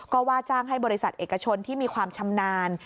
ก็ว่าจ้างให้บริษัทเอกชนที่มีความชำนาญ